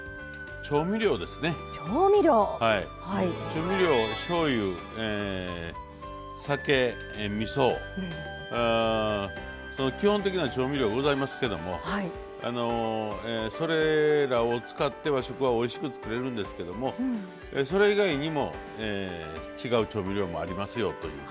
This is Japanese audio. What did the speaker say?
調味料しょうゆ酒みそその基本的な調味料ございますけどもそれらを使って和食はおいしく作れるんですけどもそれ以外にも違う調味料もありますよという。